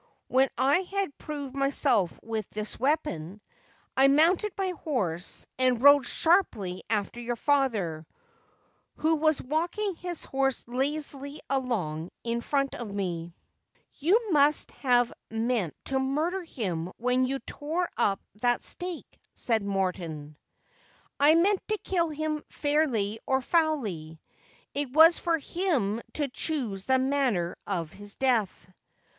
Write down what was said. When I had provided myself with this weapon, I mounted my horse, and rode sharply after your father, who was walking his horse lazily along in front of me.' z 338 Just as I Am. ' You must have meant to murder him when you tore up that stake,' said Morton. ' I meant to kill him, fairly or foully. It was for him to choose the manner of his death.